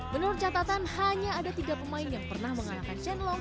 menurut catatan hanya ada tiga pemain yang pernah mengalahkan shen long